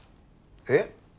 えっ？